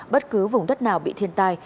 bất cứ vùng đất nào bị thiên tai